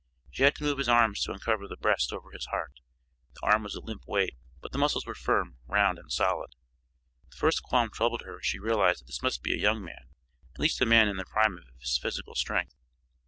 She had to move his arm to uncover the breast over his heart; the arm was a limp weight, but the muscles were firm, round, and solid. The first qualm troubled her as she realized that this must be a young man, at least a man in the prime of his physical strength.